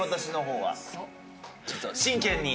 ちょっと真剣に。